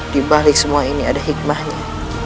dibalik semua ini ada hikmahnya